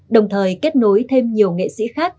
đồng thời kết nối thêm nhiều nghệ sĩ khác